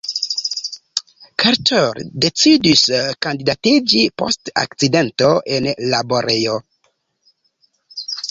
Carter decidis kandidatiĝi post akcidento en laborejo.